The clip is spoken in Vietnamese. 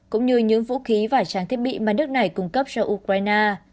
cũng như những vũ khí và trang thiết bị mà nước này cung cấp cho ukraine